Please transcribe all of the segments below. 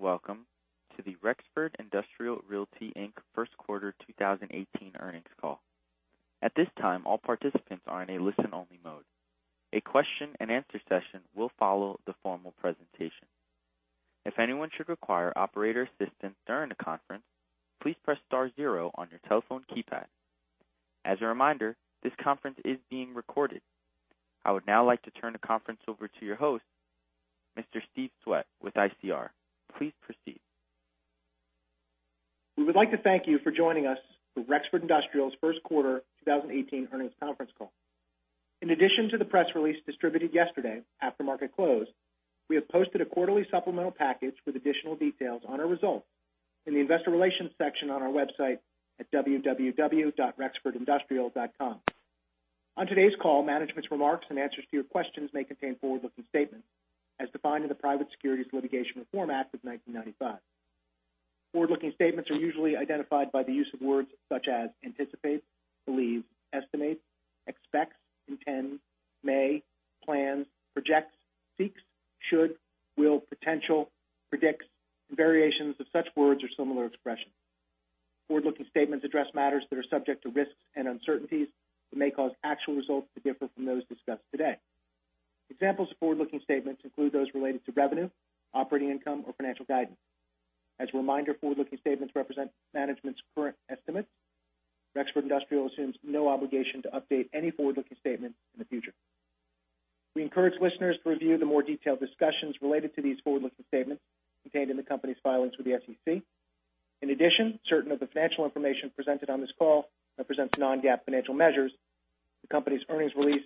Welcome to the Rexford Industrial Realty Inc. first quarter 2018 earnings call. At this time, all participants are in a listen-only mode. A question and answer session will follow the formal presentation. If anyone should require operator assistance during the conference, please press star zero on your telephone keypad. As a reminder, this conference is being recorded. I would now like to turn the conference over to your host, Mr. Steve Swett with ICR. Please proceed. We would like to thank you for joining us for Rexford Industrial's first quarter 2018 earnings conference call. In addition to the press release distributed yesterday after market close, we have posted a quarterly supplemental package with additional details on our results in the investor relations section on our website at www.rexfordindustrial.com. On today's call, management's remarks and answers to your questions may contain forward-looking statements as defined in the Private Securities Litigation Reform Act of 1995. Forward-looking statements are usually identified by the use of words such as anticipate, believe, estimate, expects, intend, may, plan, projects, seeks, should, will, potential, predicts, and variations of such words or similar expressions. Forward-looking statements address matters that are subject to risks and uncertainties that may cause actual results to differ from those discussed today. Examples of forward-looking statements include those related to revenue, operating income, or financial guidance. As a reminder, forward-looking statements represent management's current estimates. Rexford Industrial assumes no obligation to update any forward-looking statements in the future. We encourage listeners to review the more detailed discussions related to these forward-looking statements contained in the company's filings with the SEC. In addition, certain of the financial information presented on this call represents non-GAAP financial measures. The company's earnings release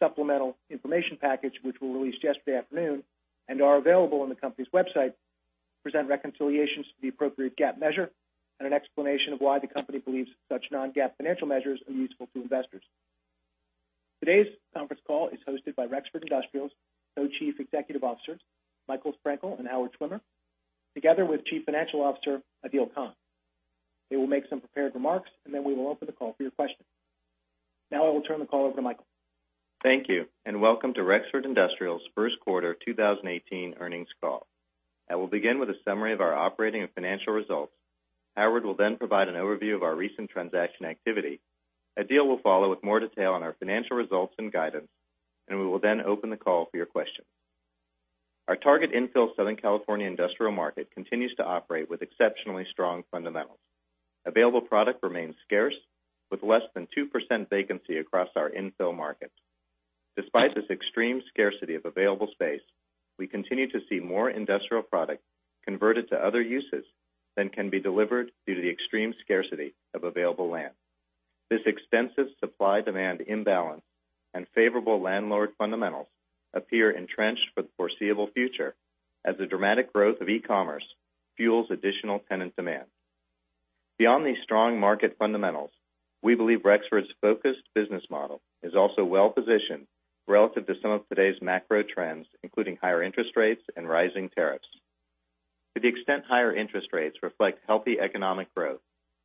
and supplemental information package, which were released yesterday afternoon and are available on the company's website, present reconciliations to the appropriate GAAP measure and an explanation of why the company believes such non-GAAP financial measures are useful to investors. Today's conference call is hosted by Rexford Industrial's Co-Chief Executive Officers, Michael Frankel and Howard Schwimmer, together with Chief Financial Officer, Adeel Khan. They will make some prepared remarks, then we will open the call for your questions. I will turn the call over to Michael. Thank you, welcome to Rexford Industrial's first quarter 2018 earnings call. I will begin with a summary of our operating and financial results. Howard will provide an overview of our recent transaction activity. Adeel will follow with more detail on our financial results and guidance, we will open the call for your questions. Our target infill Southern California industrial market continues to operate with exceptionally strong fundamentals. Available product remains scarce, with less than 2% vacancy across our infill markets. Despite this extreme scarcity of available space, we continue to see more industrial product converted to other uses than can be delivered due to the extreme scarcity of available land. This extensive supply-demand imbalance and favorable landlord fundamentals appear entrenched for the foreseeable future as the dramatic growth of e-commerce fuels additional tenant demand. Beyond these strong market fundamentals, we believe Rexford's focused business model is also well-positioned relative to some of today's macro trends, including higher interest rates and rising tariffs. To the extent higher interest rates reflect healthy economic growth,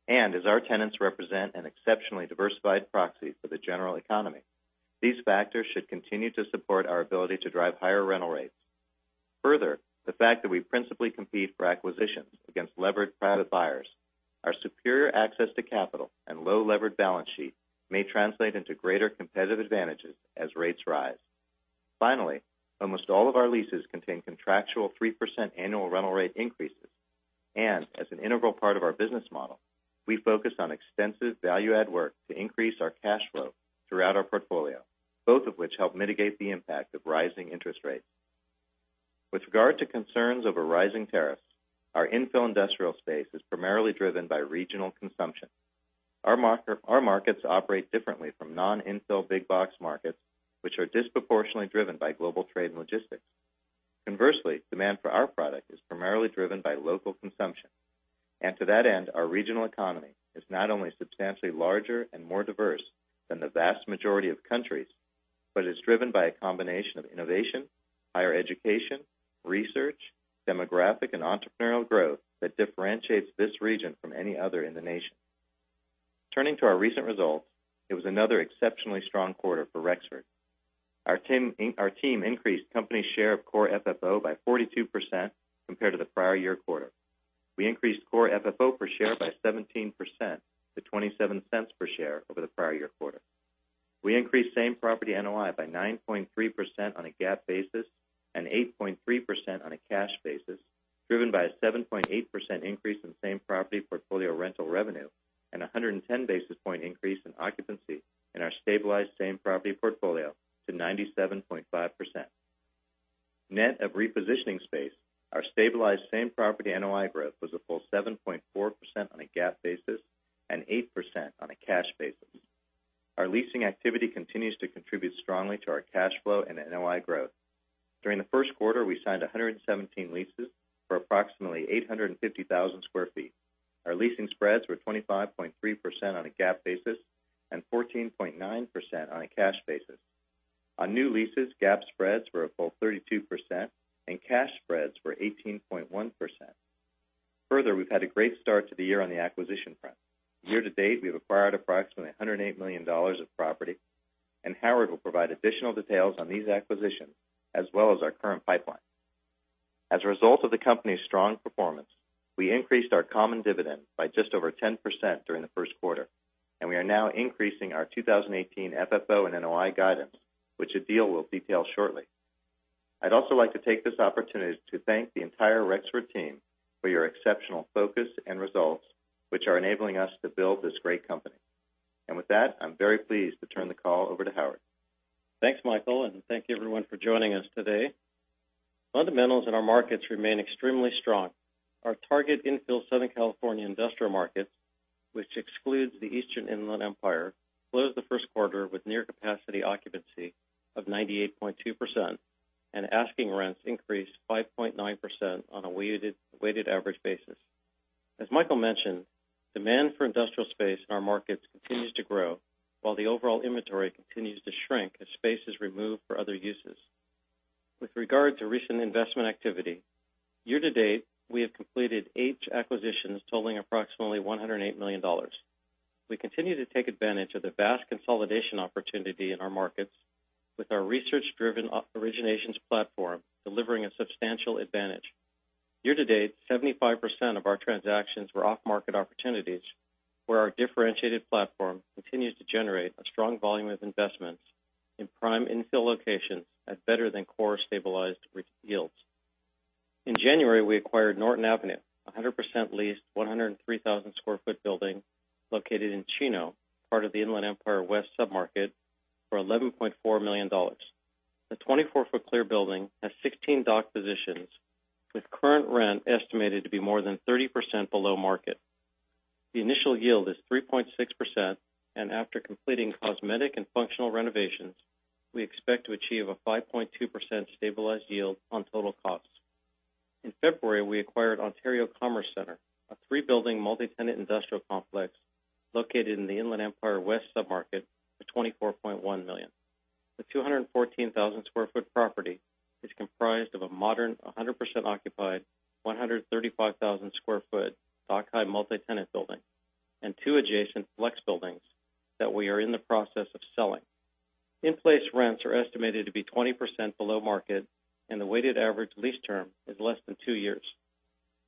and as our tenants represent an exceptionally diversified proxy for the general economy, these factors should continue to support our ability to drive higher rental rates. Further, the fact that we principally compete for acquisitions against levered private buyers, our superior access to capital, and low levered balance sheet may translate into greater competitive advantages as rates rise. Finally, almost all of our leases contain contractual 3% annual rental rate increases. As an integral part of our business model, we focus on extensive value add work to increase our cash flow throughout our portfolio, both of which help mitigate the impact of rising interest rates. With regard to concerns over rising tariffs, our infill industrial space is primarily driven by regional consumption. Our markets operate differently from non-infill big box markets, which are disproportionately driven by global trade and logistics. Conversely, demand for our product is primarily driven by local consumption. To that end, our regional economy is not only substantially larger and more diverse than the vast majority of countries, but is driven by a combination of innovation, higher education, research, demographic, and entrepreneurial growth that differentiates this region from any other in the nation. Turning to our recent results, it was another exceptionally strong quarter for Rexford. Our team increased company share of Core FFO by 42% compared to the prior year quarter. We increased Core FFO per share by 17% to $0.27 per share over the prior year quarter. We increased same property NOI by 9.3% on a GAAP basis and 8.3% on a cash basis, driven by a 7.8% increase in same property portfolio rental revenue and 110 basis point increase in occupancy in our stabilized same property portfolio to 97.5%. Net of repositioning space, our stabilized same property NOI growth was a full 7.4% on a GAAP basis and 8% on a cash basis. Our leasing activity continues to contribute strongly to our cash flow and NOI growth. During the first quarter, we signed 117 leases for approximately 850,000 sq ft. Our leasing spreads were 25.3% on a GAAP basis and 14.9% on a cash basis. On new leases, GAAP spreads were a full 32% and cash spreads were 18.1%. Further, we've had a great start to the year on the acquisition front. Year-to-date, we have acquired approximately $108 million of property, and Howard will provide additional details on these acquisitions as well as our current pipeline. As a result of the company's strong performance, we increased our common dividend by just over 10% during the first quarter, and we are now increasing our 2018 FFO and NOI guidance, which Adeel will detail shortly. I'd also like to take this opportunity to thank the entire Rexford team for your exceptional focus and results, which are enabling us to build this great company. With that, I'm very pleased to turn the call over to Howard. Thanks, Michael, and thank you everyone for joining us today. Fundamentals in our markets remain extremely strong. Our target infill Southern California industrial markets, which excludes the Eastern Inland Empire, closed the first quarter with near capacity occupancy of 98.2%, and asking rents increased 5.9% on a weighted average basis. As Michael mentioned, demand for industrial space in our markets continues to grow while the overall inventory continues to shrink as space is removed for other uses. With regard to recent investment activity, year-to-date, we have completed 8 acquisitions totaling approximately $108 million. We continue to take advantage of the vast consolidation opportunity in our markets with our research-driven originations platform delivering a substantial advantage. Year-to-date, 75% of our transactions were off-market opportunities where our differentiated platform continues to generate a strong volume of investments in prime infill locations at better than core stabilized yields. In January, we acquired Norton Avenue, a 100% leased 103,000 sq ft building located in Chino, part of the Inland Empire West submarket, for $11.4 million. The 24-foot clear building has 16 dock positions with current rent estimated to be more than 30% below market. The initial yield is 3.6%, and after completing cosmetic and functional renovations, we expect to achieve a 5.2% stabilized yield on total costs. In February, we acquired Ontario Commerce Center, a 3-building multi-tenant industrial complex located in the Inland Empire West submarket for $24.1 million. The 214,000 sq ft property is comprised of a modern 100% occupied 135,000 sq ft dock-high multi-tenant building, and 2 adjacent flex buildings that we are in the process of selling. In-place rents are estimated to be 20% below market, and the weighted average lease term is less than 2 years.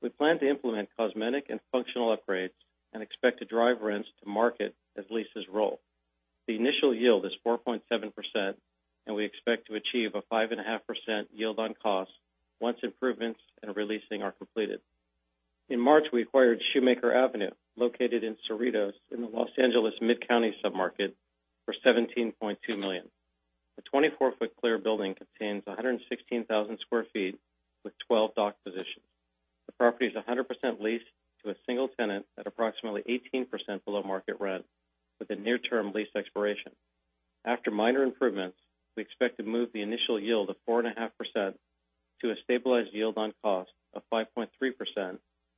We plan to implement cosmetic and functional upgrades and expect to drive rents to market as leases roll. The initial yield is 4.7%, and we expect to achieve a 5.5% yield on cost once improvements and re-leasing are completed. In March, we acquired Shoemaker Avenue, located in Cerritos in the Los Angeles Mid-Counties submarket, for $17.2 million. The 24-foot clear building contains 116,000 sq ft with 12 dock positions. The property is 100% leased to a single tenant at approximately 18% below market rent with a near-term lease expiration. After minor improvements, we expect to move the initial yield of 4.5% to a stabilized yield on cost of 5.3%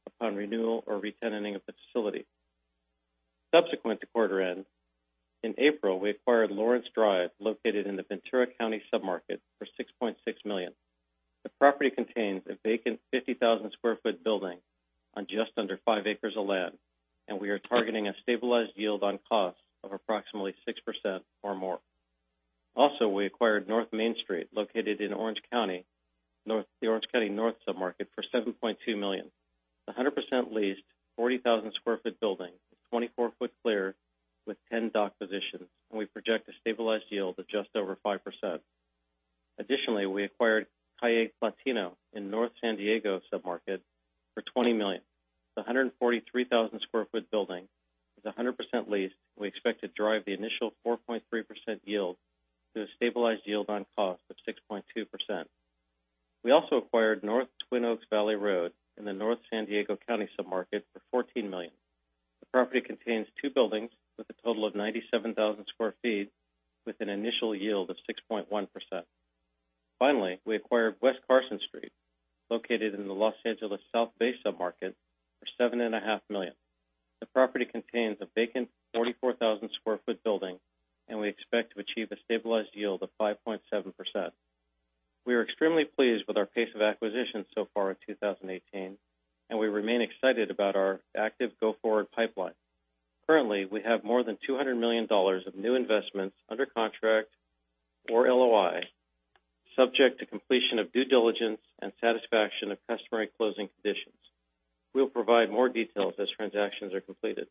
upon renewal or retenanting of the facility. Subsequent to quarter end, in April, we acquired Lawrence Drive, located in the Ventura County submarket, for $6.6 million. The property contains a vacant 50,000 sq ft building on just under 5 acres of land, and we are targeting a stabilized yield on cost of approximately 6% or more. We acquired North Main Street, located in the Orange County North submarket, for $7.2 million. It's a 100% leased 40,000 sq ft building with 24-foot clear with 10 dock positions, and we project a stabilized yield of just over 5%. We acquired Calle Platino in North San Diego submarket for $20 million. It's a 143,000 sq ft building. It's 100% leased, and we expect to drive the initial 4.3% yield to a stabilized yield on cost of 6.2%. We also acquired North Twin Oaks Valley Road in the North San Diego County submarket for $14 million. The property contains 2 buildings with a total of 97,000 sq ft with an initial yield of 6.1%. Finally, we acquired West Carson Street, located in the Los Angeles South Bay submarket, for $7.5 million. The property contains a vacant 44,000-square-foot building, and we expect to achieve a stabilized yield of 5.7%. We are extremely pleased with our pace of acquisition so far in 2018, and we remain excited about our active go-forward pipeline. Currently, we have more than $200 million of new investments under contract or LOI, subject to completion of due diligence and satisfaction of customary closing conditions. We will provide more details as transactions are completed.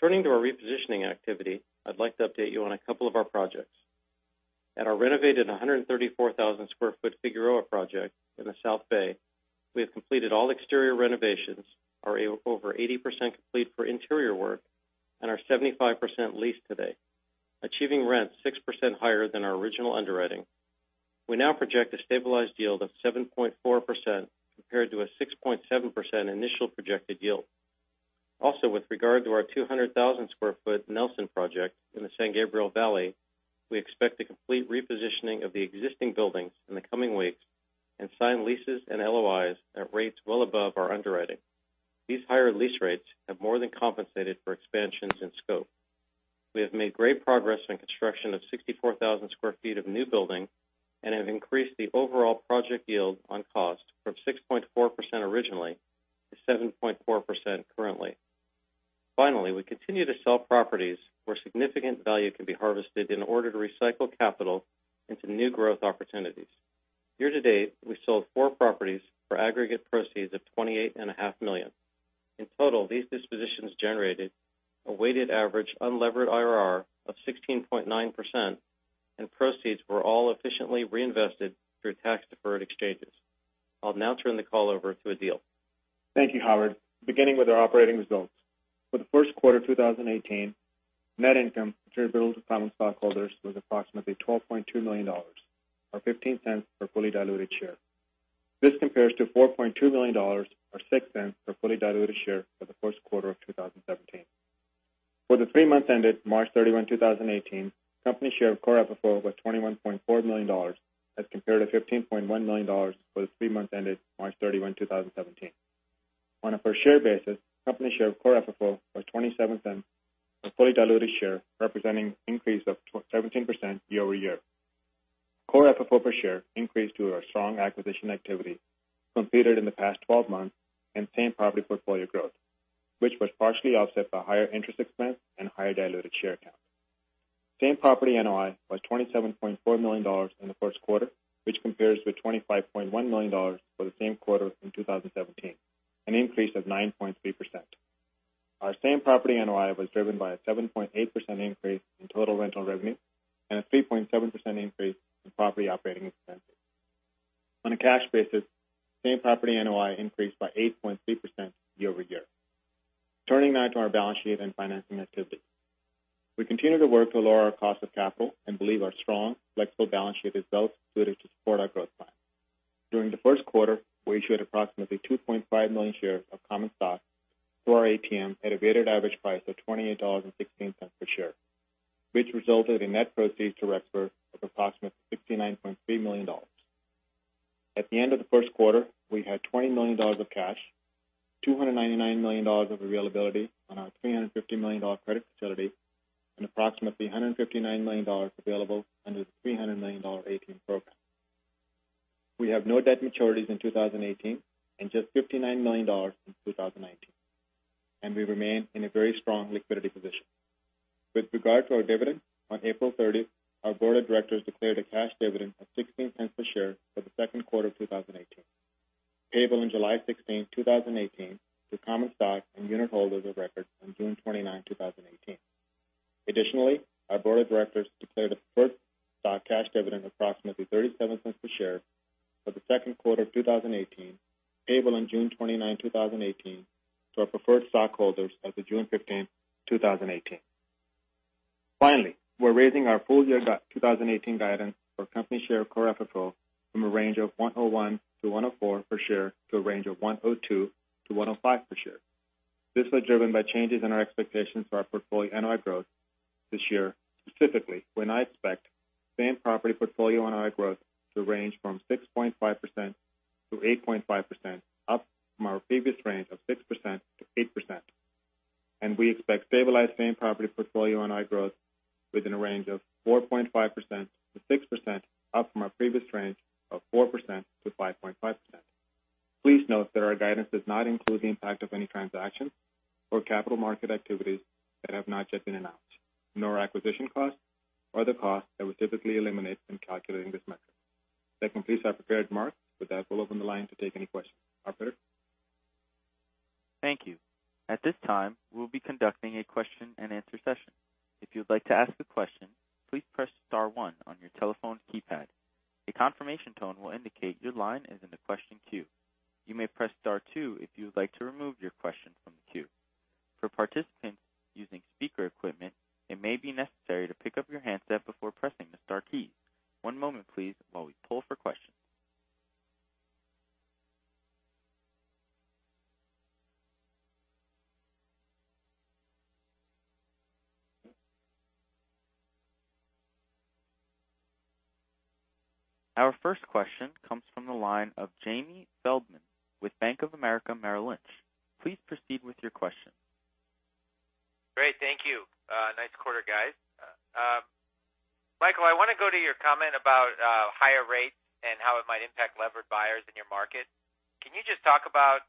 Turning to our repositioning activity, I would like to update you on a couple of our projects. At our renovated 134,000-square-foot Figueroa project in the South Bay, we have completed all exterior renovations, are over 80% complete for interior work, and are 75% leased today, achieving rents 6% higher than our original underwriting. We now project a stabilized yield of 7.4% compared to a 6.7% initial projected yield. Also, with regard to our 200,000-square-foot Nelson project in the San Gabriel Valley, we expect to complete repositioning of the existing buildings in the coming weeks and sign leases and LOIs at rates well above our underwriting. These higher lease rates have more than compensated for expansions in scope. We have made great progress in construction of 64,000 square feet of new building and have increased the overall project yield on cost from 6.4% originally to 7.4% currently. Finally, we continue to sell properties where significant value can be harvested in order to recycle capital into new growth opportunities. Year-to-date, we sold four properties for aggregate proceeds of $28.5 million. In total, these dispositions generated a weighted average unlevered IRR of 16.9%, and proceeds were all efficiently reinvested through tax-deferred exchanges. I will now turn the call over to Adeel. Thank you, Howard. Beginning with our operating results. For the first quarter 2018, net income attributable to common stockholders was approximately $12.2 million, or $0.15 per fully diluted share. This compares to $4.2 million, or $0.06 per fully diluted share for the first quarter of 2017. For the three months ended March 31, 2018, company share of Core FFO was $21.4 million as compared to $15.1 million for the three months ended March 31, 2017. On a per share basis, company share of Core FFO was $0.27 per fully diluted share, representing increase of 17% year-over-year. Core FFO per share increased due to our strong acquisition activity completed in the past 12 months and same property portfolio growth, which was partially offset by higher interest expense and higher diluted share count. Same property NOI was $27.4 million in the first quarter, which compares to $25.1 million for the same quarter in 2017, an increase of 9.3%. Our same property NOI was driven by a 7.8% increase in total rental revenue and a 3.7% increase in property operating expenses. On a cash basis, same property NOI increased by 8.3% year-over-year. Turning now to our balance sheet and financing activity. We continue to work to lower our cost of capital and believe our strong, flexible balance sheet is well-suited to support our growth plan. During the first quarter, we issued approximately 2.5 million shares of common stock through our ATM at a weighted average price of $28.16 per share. This resulted in net proceeds to Rexford of approximately $69.3 million. At the end of the first quarter, we had $20 million of cash, $299 million of availability on our $350 million credit facility, and approximately $159 million available under the $300 million ATM program. We have no debt maturities in 2018 and just $59 million in 2019. We remain in a very strong liquidity position. With regard to our dividend, on April 30th, our board of directors declared a cash dividend of $0.16 per share for the second quarter of 2018, payable on July 16, 2018, to common stock and unit holders of record on June 29, 2018. Additionally, our board of directors declared a preferred stock cash dividend of approximately $0.37 per share for the second quarter of 2018, payable on June 29, 2018, to our preferred stockholders as of June 15, 2018. Finally, we're raising our full-year 2018 guidance for company share of Core FFO from a range of $1.01-$1.04 per share to a range of $1.02-$1.05 per share. This was driven by changes in our expectations for our portfolio NOI growth this year, specifically, we now expect same property portfolio NOI growth to range from 6.5%-8.5%, up from our previous range of 6%-8%. We expect stabilized same-property portfolio NOI growth within a range of 4.5%-6%, up from our previous range of 4%-5.5%. Please note that our guidance does not include the impact of any transactions or capital market activities that have not yet been announced, nor acquisition costs or other costs that we typically eliminate when calculating this metric. That completes our prepared remarks. With that, we'll open the line to take any questions. Operator? Thank you. At this time, we'll be conducting a question-and-answer session. If you would like to ask a question, please press star one on your telephone keypad. A confirmation tone will indicate your line is in the question queue. You may press star two if you would like to remove your question from the queue. For participants using speaker equipment, it may be necessary to pick up your handset before pressing the star key. One moment, please, while we poll for questions. Our first question comes from the line of Jamie Feldman with Bank of America Merrill Lynch. Please proceed with your question. Great. Thank you. Nice quarter, guys. Michael, I want to go to your comment about higher rates and how it might impact levered buyers in your market. Can you just talk about,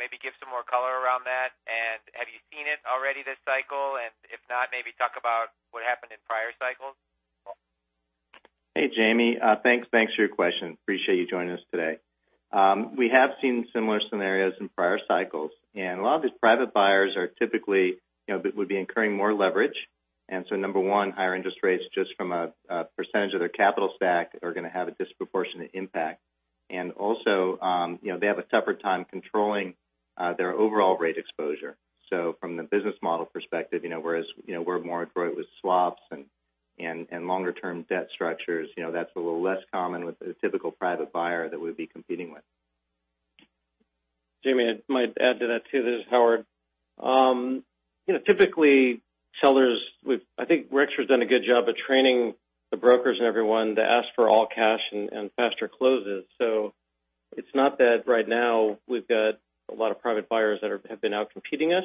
maybe give some more color around that, and have you seen it already this cycle? If not, maybe talk about what happened in prior cycles. Hey, Jamie. Thanks for your question. Appreciate you joining us today. We have seen similar scenarios in prior cycles. A lot of these private buyers are typically would be incurring more leverage. Number one, higher interest rates just from a percentage of their capital stack are going to have a disproportionate impact. Also, they have a tougher time controlling their overall rate exposure. From the business model perspective whereas we're more adroit with swaps and longer-term debt structures, that's a little less common with a typical private buyer that we'd be competing with. Jamie, I might add to that, too. This is Howard Schwimmer. Typically, I think Rexford Industrial has done a good job of training the brokers and everyone to ask for all cash and faster closes. It's not that right now we've got a lot of private buyers that have been out-competing us.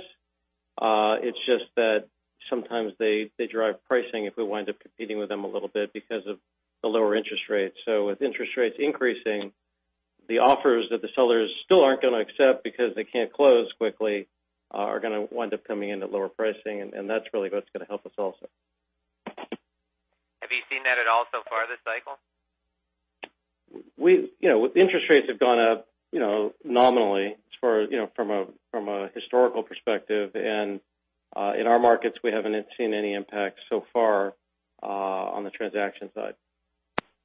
It's just that sometimes they drive pricing if we wind up competing with them a little bit because of the lower interest rates. With interest rates increasing, the offers that the sellers still aren't going to accept because they can't close quickly are going to wind up coming in at lower pricing, and that's really what's going to help us also. Have you seen that at all so far this cycle? With interest rates have gone up nominally from a historical perspective, in our markets, we haven't seen any impact so far on the transaction side.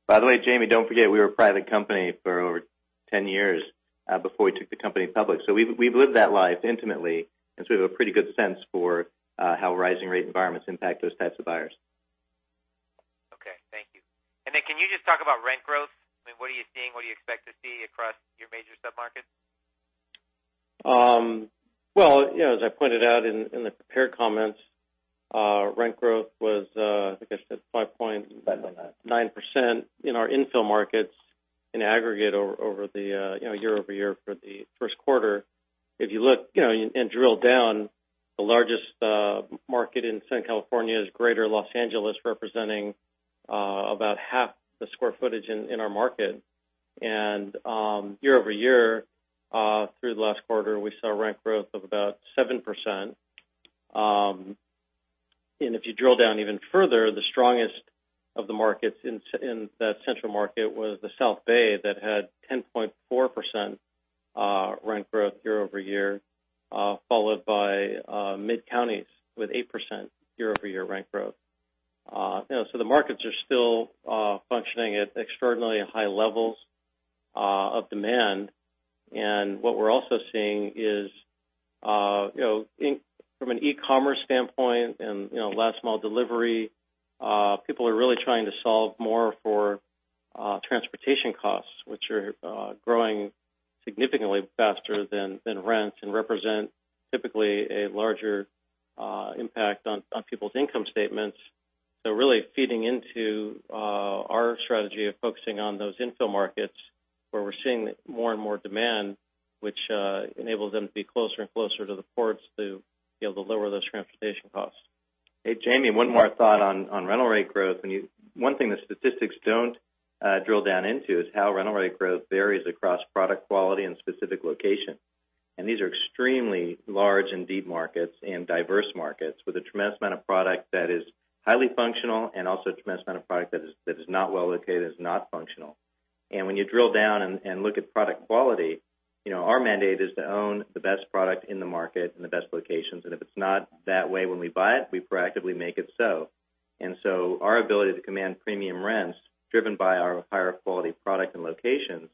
By the way, Jamie, don't forget we were a private company for over 10 years, before we took the company public. We've lived that life intimately, we have a pretty good sense for how rising rate environments impact those types of buyers. Okay. Thank you. Then can you just talk about rent growth? What are you seeing? What do you expect to see across your major sub-markets? Well, as I pointed out in the prepared comments, rent growth was, I think I said 5.- 5.9 9% in our infill markets in aggregate over the year-over-year for the first quarter. If you look and drill down, the largest market in Southern California is Greater Los Angeles, representing about half the square footage in our market. Year-over-year through the last quarter, we saw rent growth of about 7%. If you drill down even further, the strongest of the markets in that central market was the South Bay, that had 10.4% rent growth year-over-year followed by Mid-Counties with 8% year-over-year rent growth. The markets are still functioning at extraordinarily high levels of demand. What we're also seeing is from an e-commerce standpoint and last mile delivery, people are really trying to solve more for transportation costs, which are growing significantly faster than rents and represent typically a larger impact on people's income statements. really feeding into our strategy of focusing on those infill markets, where we're seeing more and more demand, which enables them to be closer and closer to the ports to be able to lower those transportation costs. Hey, Jamie, one more thought on rental rate growth. One thing the statistics don't drill down into is how rental rate growth varies across product quality and specific location. These are extremely large and deep markets and diverse markets with a tremendous amount of product that is highly functional and also a tremendous amount of product that is not well located, that is not functional. When you drill down and look at product quality, our mandate is to own the best product in the market and the best locations, and if it's not that way when we buy it, we proactively make it so. Our ability to command premium rents driven by our higher quality product and locations,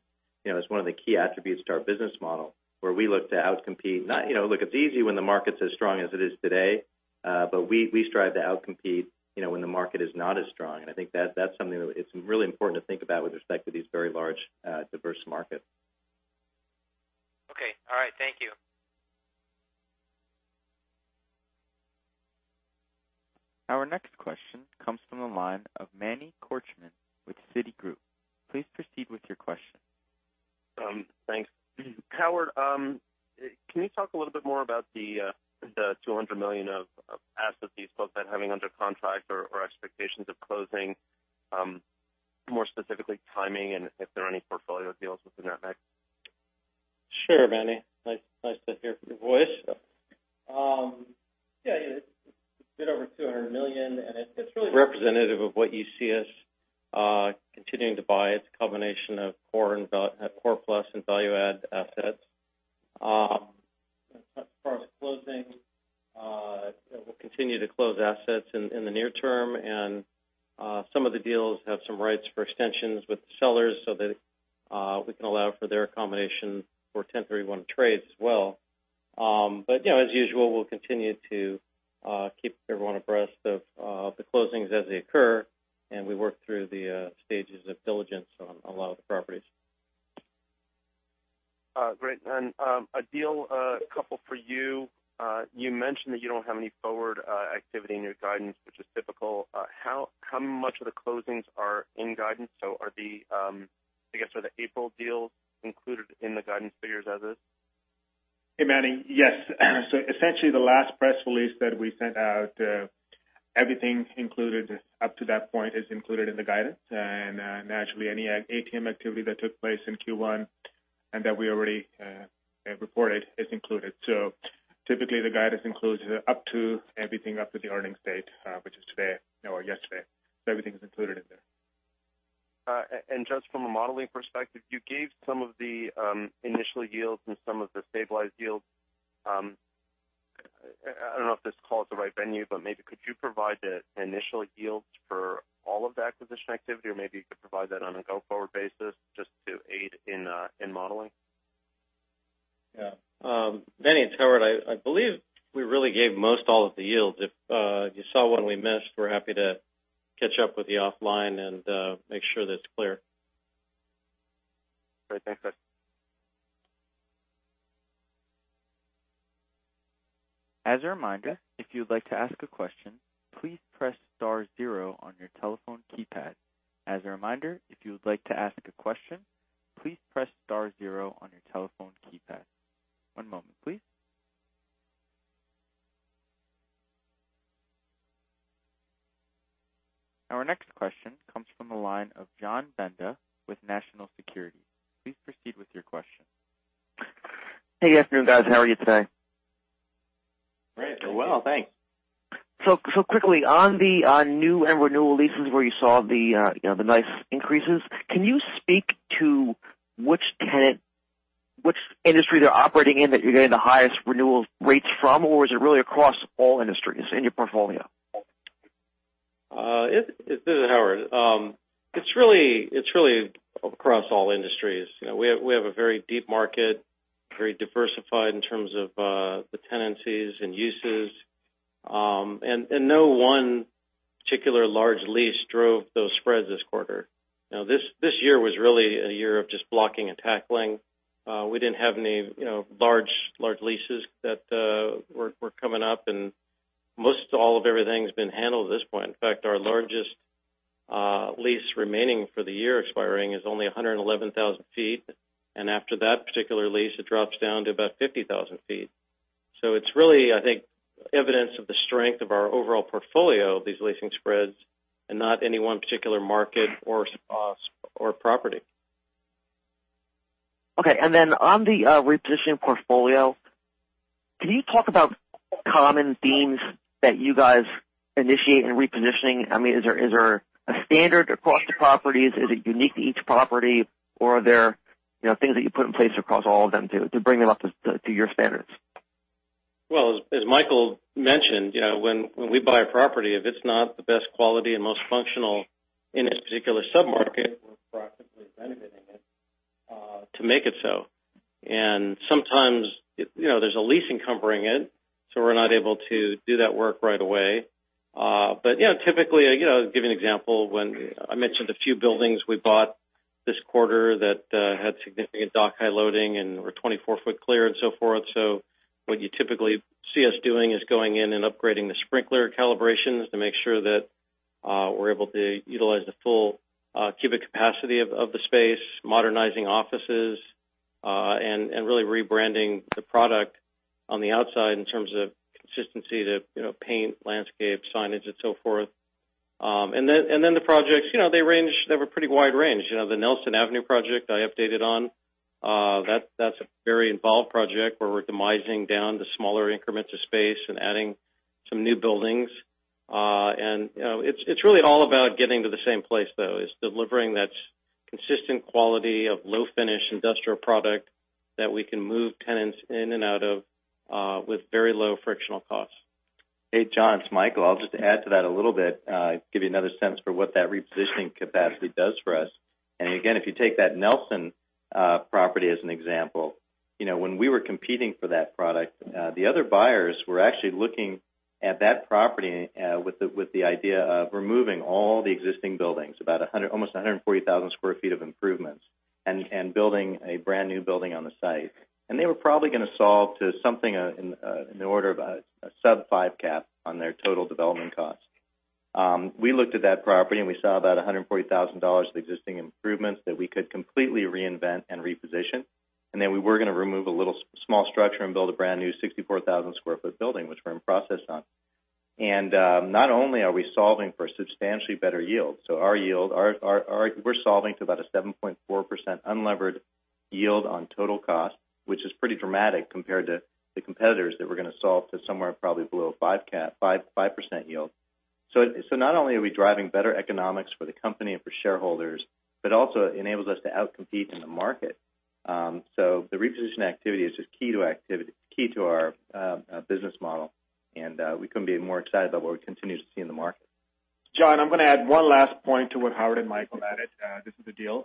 is one of the key attributes to our business model, where we look to out-compete. Look, it's easy when the market's as strong as it is today, but we strive to out-compete when the market is not as strong. I think that's something that it's really important to think about with respect to these very large, diverse markets. Okay. All right. Thank you. Our next question comes from the line of Manny Korchman with Citigroup. Please proceed with your question. Thanks. Howard Schwimmer, can you talk a little bit more about the $200 million of assets you spoke about having under contract or expectations of closing, more specifically timing and if there are any portfolio deals within that mix? Sure, Manny. Nice to hear from your voice. Yeah, a bit over $200 million, and it's really representative of what you see us continuing to buy. It's a combination of core plus and value-add assets. As far as closing, we'll continue to close assets in the near term, and some of the deals have some rights for extensions with the sellers so that we can allow for their accommodation for 1031 trades as well. As usual, we'll continue to keep everyone abreast of the closings as they occur, and we work through the stages of diligence on a lot of the properties. Great. Adeel Khan, a couple for you. You mentioned that you don't have any forward activity in your guidance, which is typical. How much of the closings are in guidance? Are the April deals included in the guidance figures as is? Hey, Manny. Yes. Essentially the last press release that we sent out, everything included up to that point is included in the guidance, and naturally any ATM activity that took place in Q1 and that we already have reported is included. Typically the guidance includes everything up to the earnings date, which is today or yesterday. Everything is included in there. From a modeling perspective, you gave some of the initial yields and some of the stabilized yields. I don't know if this call is the right venue, but maybe could you provide the initial yields for all of the acquisition activity? Or maybe you could provide that on a go-forward basis just to aid in modeling? Yeah. Manny, it's Howard. I believe we really gave most all of the yields. If you saw one we missed, we're happy to catch up with you offline and make sure that it's clear. Great. Thanks, guys. As a reminder, if you'd like to ask a question, please press star zero on your telephone keypad. As a reminder, if you would like to ask a question, please press star zero on your telephone keypad. One moment, please. Our next question comes from the line of John Benda with National Securities. Please proceed with your question. Hey, good afternoon, guys. How are you today? Great. Well, thanks. Quickly, on the new and renewal leases where you saw the nice increases, can you speak to which industry they're operating in that you're getting the highest renewal rates from, or is it really across all industries in your portfolio? This is Howard. It's really across all industries. We have a very deep market, very diversified in terms of the tenancies and uses. No one particular large lease drove those spreads this quarter. This year was really a year of just blocking and tackling. We didn't have any large leases that were coming up, and most all of everything's been handled at this point. In fact, our largest lease remaining for the year expiring is only 111,000 feet, and after that particular lease, it drops down to about 50,000 feet. It's really, I think, evidence of the strength of our overall portfolio, these leasing spreads, and not any one particular market or property. Okay. Then on the repositioning portfolio, can you talk about common themes that you guys initiate in repositioning? Is there a standard across the properties? Is it unique to each property? Are there things that you put in place across all of them to bring them up to your standards? Well, as Michael mentioned, when we buy a property, if it's not the best quality and most functional in its particular sub-market, we're proactively renovating it to make it so. Sometimes there's a lease encumbering it, so we're not able to do that work right away. Typically, I'll give you an example. When I mentioned a few buildings we bought this quarter that had significant dock-high loading and were 24-foot clear and so forth. What you typically see us doing is going in and upgrading the sprinkler calibrations to make sure that we're able to utilize the full cubic capacity of the space, modernizing offices, and really rebranding the product on the outside in terms of consistency to paint, landscape, signage, and so forth. Then the projects, they have a pretty wide range. The Nelson Avenue project I updated on, that's a very involved project where we're demising down to smaller increments of space and adding some new buildings. It's really all about getting to the same place, though. It's delivering that consistent quality of low-finish industrial product that we can move tenants in and out of with very low frictional costs. Hey, John, it's Michael. I'll just add to that a little bit, give you another sense for what that repositioning capacity does for us. Again, if you take that Nelson property as an example, when we were competing for that product, the other buyers were actually looking at that property with the idea of removing all the existing buildings, almost 140,000 square feet of improvements, and building a brand-new building on the site. They were probably going to solve to something in the order of a sub five cap on their total development cost. We looked at that property, and we saw about $140,000 of existing improvements that we could completely reinvent and reposition. Then we were going to remove a little small structure and build a brand-new 64,000-square-foot building, which we're in process on. Not only are we solving for substantially better yields, our yield, we're solving to about a 7.4% unlevered yield on total cost, which is pretty dramatic compared to the competitors that we're going to solve to somewhere probably below a 5% yield. Not only are we driving better economics for the company and for shareholders, but also it enables us to out-compete in the market. The reposition activity is just key to our business model, and we couldn't be more excited about what we continue to see in the market. John, I'm going to add one last point to what Howard and Michael added. This is Adeel.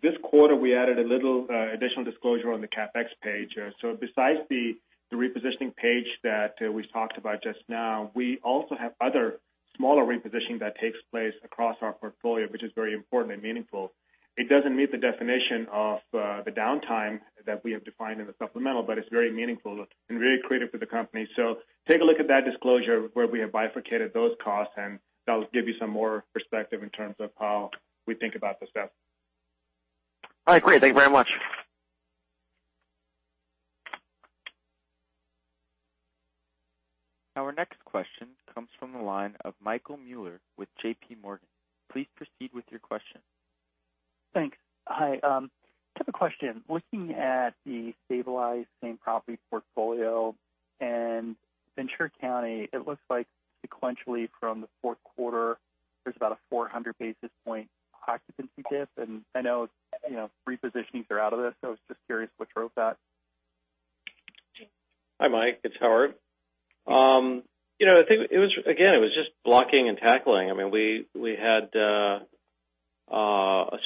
This quarter, we added a little additional disclosure on the CapEx page. Besides the repositioning page that we talked about just now, we also have other smaller repositioning that takes place across our portfolio, which is very important and meaningful. It doesn't meet the definition of the downtime that we have defined in the supplemental, but it's very meaningful and very accretive for the company. Take a look at that disclosure where we have bifurcated those costs, and that will give you some more perspective in terms of how we think about this stuff. All right, great. Thank you very much. Our next question comes from the line of Michael Mueller with J.P. Morgan. Please proceed with your question. Thanks. Hi. Quick question. Looking at the stabilized same property portfolio and Ventura County, it looks like sequentially from the fourth quarter, there's about a 400 basis point occupancy dip. I know repositionings are out of this, so I was just curious what drove that. Hi, Mike. It's Howard. Again, it was just blocking and tackling. We had a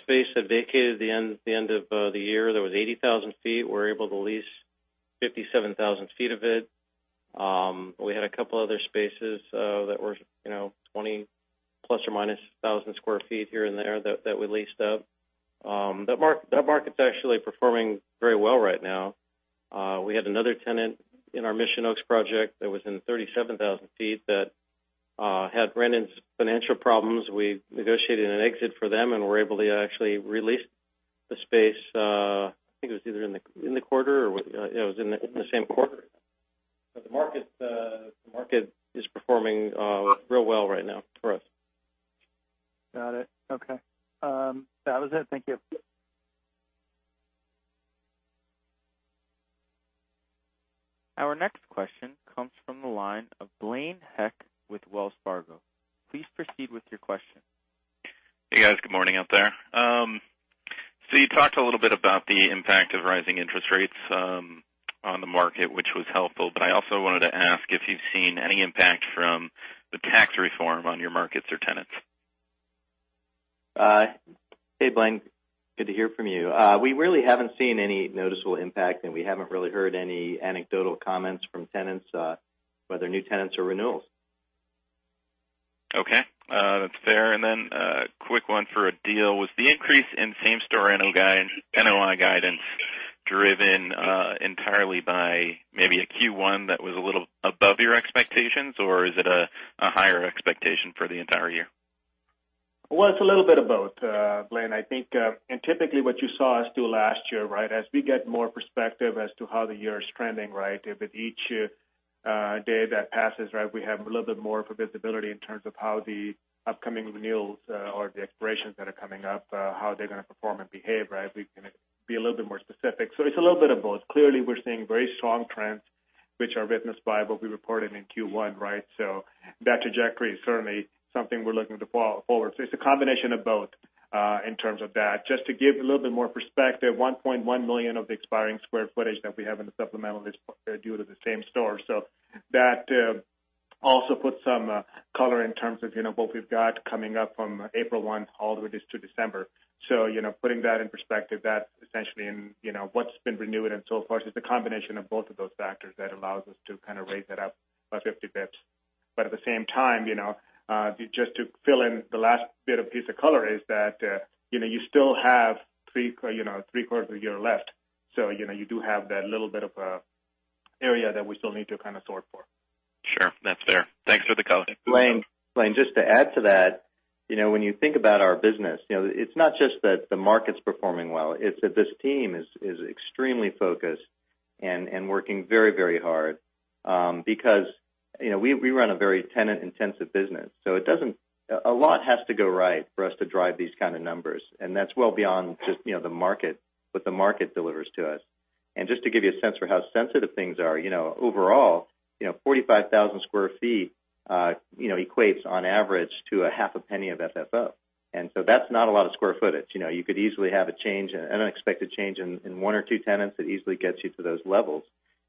space that vacated the end of the year. There was 80,000 feet. We were able to lease 57,000 feet of it. We had a couple other spaces that were 20 ±1,000 square feet here and there that we leased up. That market's actually performing very well right now. We had another tenant in our Mission Oaks project that was in 37,000 feet that had run into financial problems. We negotiated an exit for them and were able to actually re-lease the space. I think it was either in the quarter, or it was in the same quarter. The market is performing real well right now for us. Got it. Okay. That was it. Thank you. Our next question comes from the line of Blaine Heck with Wells Fargo. Please proceed with your question. Hey, guys. Good morning out there. You talked a little bit about the impact of rising interest rates on the market, which was helpful, but I also wanted to ask if you've seen any impact from the tax reform on your markets or tenants. Hey, Blaine. Good to hear from you. We really haven't seen any noticeable impact, and we haven't really heard any anecdotal comments from tenants, whether new tenants or renewals. Okay. That's fair. A quick one for Adeel. Was the increase in same-store NOI guidance driven entirely by maybe a Q1 that was a little above your expectations, or is it a higher expectation for the entire year? Well, it's a little bit of both, Blaine. Typically what you saw us do last year, as we get more perspective as to how the year is trending. With each day that passes, we have a little bit more visibility in terms of how the upcoming renewals or the expirations that are coming up, how they're going to perform and behave. We can be a little bit more specific. It's a little bit of both. Clearly, we're seeing very strong trends, which are witnessed by what we reported in Q1. That trajectory is certainly something we're looking to follow forward. It's a combination of both in terms of that. Just to give a little bit more perspective, 1.1 million of the expiring square footage that we have in the supplemental is due to the same store. That also puts some color in terms of what we've got coming up from April 1 all the way to December. Putting that in perspective, that essentially and what's been renewed and so forth, is a combination of both of those factors that allows us to kind of raise that up by 50 basis points. At the same time, just to fill in the last bit of piece of color is that you still have three quarters of the year left. You do have that little bit of area that we still need to kind of sort for. Sure. That's fair. Thanks for the color. Blaine, just to add to that, when you think about our business, it's not just that the market's performing well, it's that this team is extremely focused and working very hard. Because we run a very tenant-intensive business. A lot has to go right for us to drive these kind of numbers, and that's well beyond just what the market delivers to us. Just to give you a sense for how sensitive things are, overall, 45,000 sq ft equates on average to a half a penny of FFO. That's not a lot of square footage. You could easily have an unexpected change in one or two tenants that easily gets you to those levels.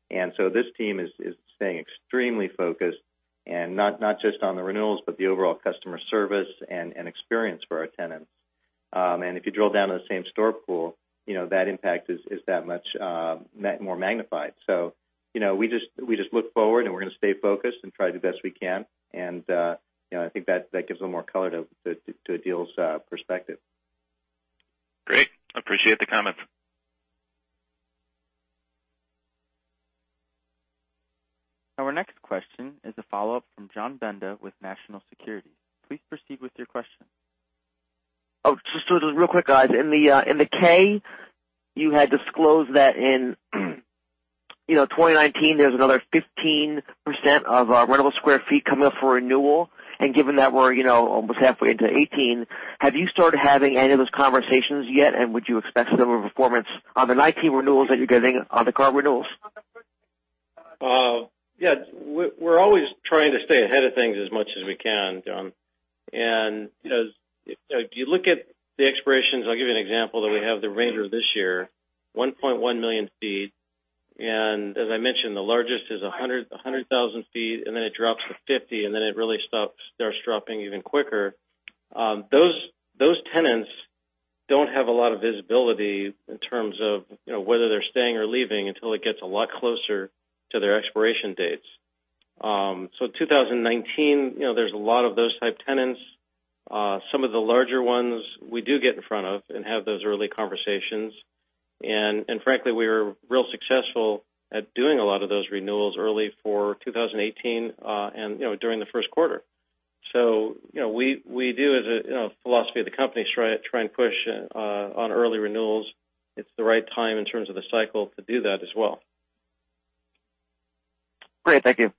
This team is staying extremely focused, and not just on the renewals, but the overall customer service and experience for our tenants. If you drill down to the same store pool, that impact is that much more magnified. We just look forward, and we're going to stay focused and try the best we can. I think that gives a little more color to Adeel's perspective. Great. Appreciate the comments. Our next question is a follow-up from John Benda with National Securities. Please proceed with your question. Just real quick, guys. In the K, you had disclosed that in 2019, there's another 15% of our rentable square feet coming up for renewal. Given that we're almost halfway into 2018, have you started having any of those conversations yet? Would you expect similar performance on the 2019 renewals that you're getting on the current renewals? Yeah. We're always trying to stay ahead of things as much as we can, John. If you look at the expirations, I'll give you an example that we have the remainder of this year, 1.1 million feet, as I mentioned, the largest is 111,000 feet, then it drops to 50, then it really starts dropping even quicker. Those tenants don't have a lot of visibility in terms of whether they're staying or leaving until it gets a lot closer to their expiration dates. 2019, there's a lot of those type tenants. Some of the larger ones we do get in front of and have those early conversations. Frankly, we were real successful at doing a lot of those renewals early for 2018 and during the first quarter. We do, as a philosophy of the company, try and push on early renewals. It's the right time in terms of the cycle to do that as well. Great. Thank you.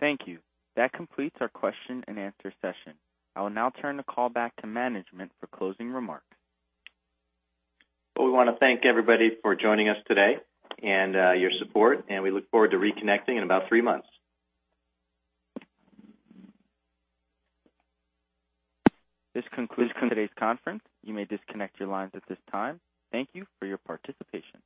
Thank you. That completes our question and answer session. I will now turn the call back to management for closing remarks. We want to thank everybody for joining us today and your support, and we look forward to reconnecting in about three months. This concludes today's conference. You may disconnect your lines at this time. Thank you for your participation.